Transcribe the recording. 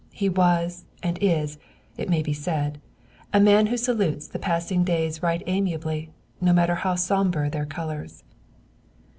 He was and is, it may be said, a man who salutes the passing days right amiably, no matter how somber their colors.